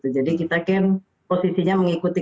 jadi kita kan posisinya mengikuti